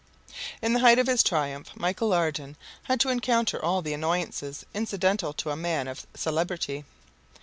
'" In the height of his triumph, Michel Ardan had to encounter all the annoyances incidental to a man of celebrity.